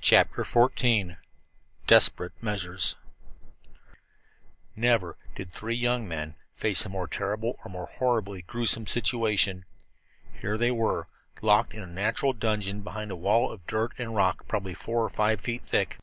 CHAPTER XIV DESPERATE MEASURES Never did three young men face a more terrible or more horribly gruesome situation. Here they were, locked in a natural dungeon behind a wall of dirt and rock probably four or five feet thick.